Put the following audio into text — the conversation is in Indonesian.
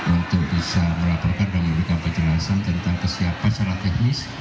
untuk bisa melaporkan dan memberikan penjelasan tentang kesiapan secara teknis